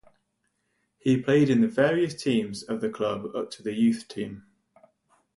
He played in the various teams of the club up to the youth team.